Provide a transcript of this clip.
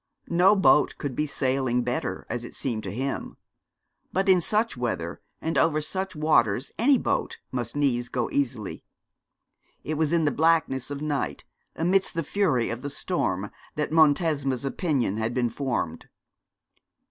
No boat could be sailing better, as it seemed to him; but in such weather and over such waters any boat must needs go easily. It was in the blackness of night, amidst the fury of the storm, that Montesma's opinion had been formed.